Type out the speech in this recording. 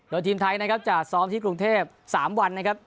โดยทีมไทยนะครับจะซ้อมที่กรุงเทพ๓วันนะครับ